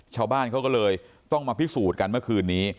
ชาวบ้านเขาก็เลยต้องมาพิสูจน์กันเมื่อคืนนี้